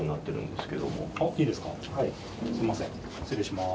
すみません失礼します。